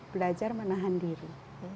belajar menahan diri